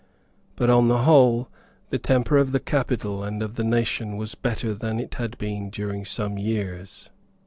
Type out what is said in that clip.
But, on the whole, the temper of the capital and of the nation was better than it had been during some years.